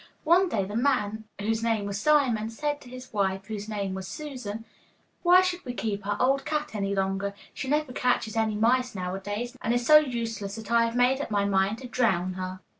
One day the man, whose name was Simon, said to his wife, whose name was Susan, 'Why should we keep our old cat any longer? She never catches any mice now a days, and is so useless that I have made up my mind to drown her.